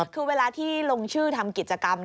คือเวลาที่ลงชื่อทำกิจกรรม